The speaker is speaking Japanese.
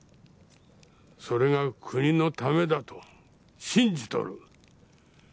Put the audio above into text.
それが国のためだと信じとる。